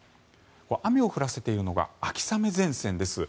雨を降らせているのが秋雨前線です。